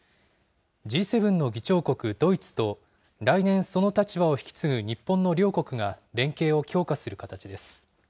Ｇ７の議長国、ドイツと、来年その立場を引き継ぐ日本の両国が連携を強化する形です。